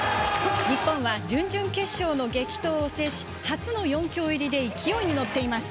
日本は準々決勝の激闘を制し初の４強入りで勢いに乗っています。